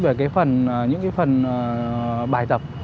về những phần bài tập